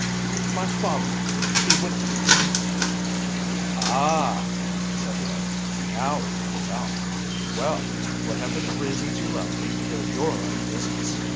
"My father he whipped me there." "Ah," said Rara. "Now it comes out. Well, whatever the reasons you left, they're your own business.